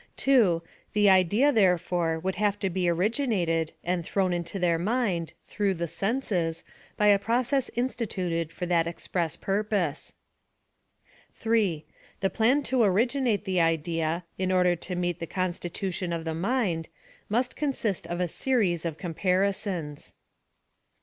— {2,) The idea, therefore, would have to be originated, and thrown into their mind, through the senses, by a process instituted for that express purpose. (3.) The plan to originate the idea, in order to meet the constitution of the mind, must consist of a series of comparisons.